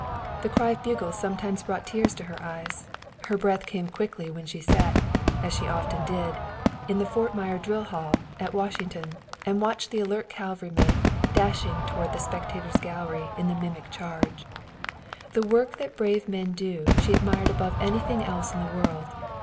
The cry of bugles sometimes brought tears to her eyes; her breath came quickly when she sat as she often did in the Fort Myer drill hall at Washington and watched the alert cavalrymen dashing toward the spectators' gallery in the mimic charge. The work that brave men do she admired above anything else in the world.